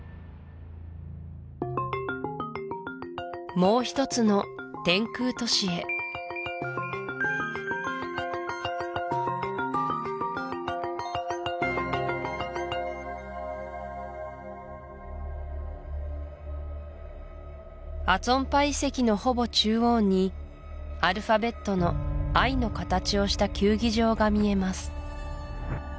もうひとつの天空都市へアツォンパ遺跡のほぼ中央にアルファベットのＩの形をした球技場が見えます